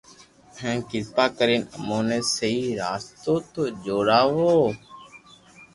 ھين ڪرپا ڪرين اموني ي سھي راستو تو چاڙو